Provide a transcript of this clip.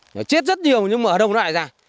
nó chết rất nhiều nhưng mà ở đâu nó lại ra